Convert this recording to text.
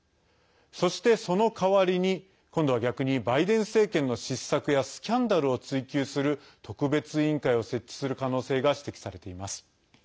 そして、その代わりに今度は逆にバイデン政権の失策やスキャンダルを追及する特別委員会を設置する可能性が指摘されています。